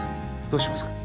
どうしますか？